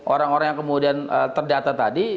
orang orang yang kemudian terdata tadi